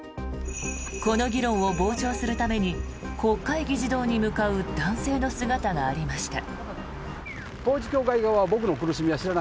この議論を傍聴するために国会議事堂に向かう男性の姿がありました。